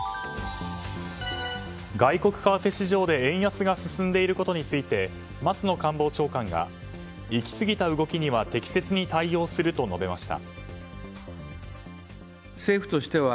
外国為替市場で円安が進んでいることについて松野官房長官が行き過ぎた動きには適切に対応すると述べました。